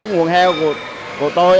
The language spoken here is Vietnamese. nguồn heo của tôi